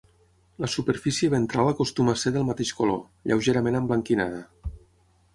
La superfície ventral acostuma a ser del mateix color, lleugerament emblanquinada.